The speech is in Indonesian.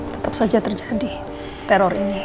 tetap saja terjadi teror ini